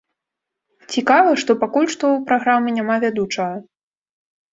Цікава, што пакуль што ў праграмы няма вядучага.